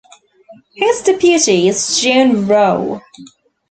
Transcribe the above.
His Deputy is John Rau.